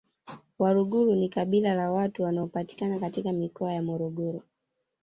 Waluguru ni kabila la watu wanaopatikana katika Mikoa ya Morogoro